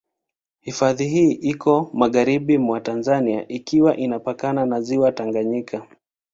Hifadhi hii iko magharibi mwa Tanzania ikiwa inapakana na Ziwa Tanganyika.